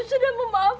saya tidak tahu betapa